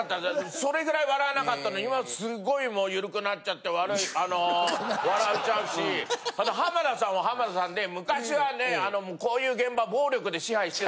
それぐらい笑わなかったのに今はすごい緩くなっちゃってあの笑っちゃうし浜田さんは浜田さんで昔はねこういう現場は。